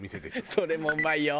それもうまいよ。